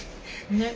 ねっ？